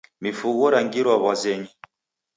Mifugho rangirwa w'azenyi.